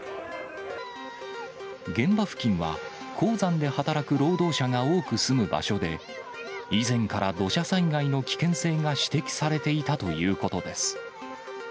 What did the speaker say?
現場付近は、鉱山で働く労働者が多く住む場所で、以前から土砂災害の危険性が指摘されていたということです。